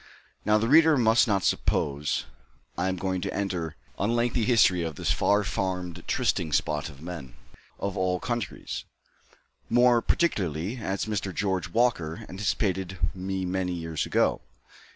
Now the reader must not suppose I am going to enter on a lengthy history of this far famed trysting spot of men of all countries, more particularly as Mr. George Walker anticipated me many years ago.